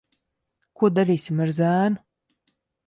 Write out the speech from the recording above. Ko darīsim ar zēnu?